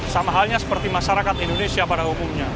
sama halnya seperti masyarakat indonesia pada umumnya